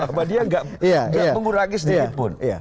bahwa dia nggak mengurangi sedikitpun